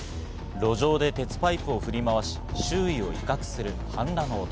路上で鉄パイプを振り回し、周囲を威嚇する半裸の男。